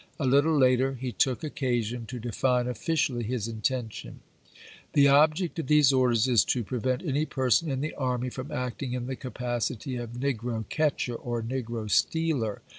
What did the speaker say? A little later he took occasion to define officially his intention :" The object of these orders is to pre vent any person in the army from acting in the capacity of negro catcher or negro stealer.